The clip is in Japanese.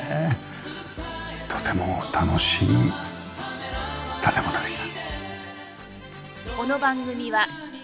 とても楽しい建物でした。